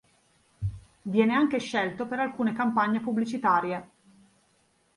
Viene anche scelto per alcune campagne pubblicitarie.